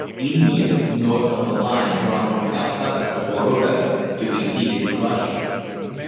India, north of a line drawn from Calcutta to Baroda, to be ceded to Russia.